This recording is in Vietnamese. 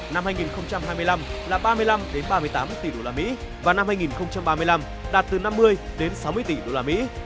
năm hai nghìn hai mươi năm là ba mươi năm ba mươi tám tỷ usd và năm hai nghìn ba mươi năm đạt từ năm mươi sáu mươi tỷ usd